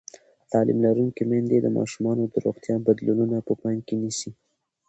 تعلیم لرونکې میندې د ماشومانو د روغتیا بدلونونه په پام کې نیسي.